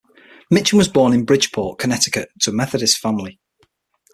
Mitchum was born in Bridgeport, Connecticut into a Methodist family.